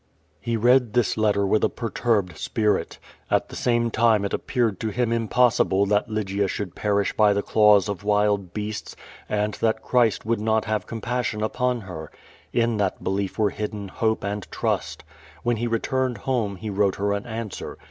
He read this letter witli a perturbed spirit. At the same time it appeared to him im}X)ssible that Lygia should perish by the claws of Avdld beasts, and that Christ would not have compassion upon her. In that belief were hidden hope and trust. When he returned home he wrote her an answer.